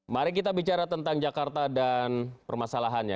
mari kita bicara tentang jakarta dan permasalahannya